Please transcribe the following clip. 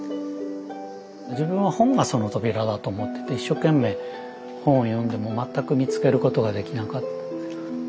自分は本がその扉だと思ってて一生懸命本を読んでも全く見つけることができなかった。